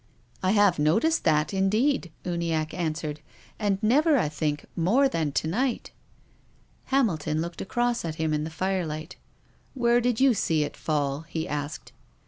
" I have noticed that, indeed," Uniacke an swered, "and never, I think, more than to night." Hamilton looked across at him in the firelight. " Where did you see it fall?" he asked.